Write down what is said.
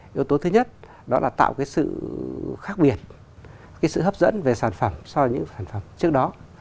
yếu tố thứ nhất đó là tạo cái sự khác biệt cái sự hấp dẫn về sản phẩm so với những sản phẩm trước đó